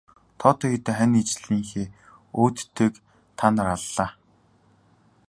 Тоотой хэдэн хань ижлийнхээ өөдтэйг та нар аллаа.